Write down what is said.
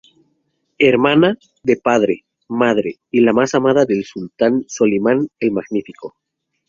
Hermana, de padre, madre, y la más amada del Sultán Solimán el Magnífico.